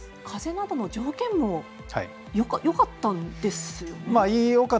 風などの条件もよかったんですよね。